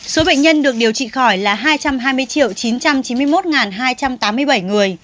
số bệnh nhân được điều trị khỏi là hai trăm hai mươi chín trăm chín mươi một hai trăm tám mươi bảy người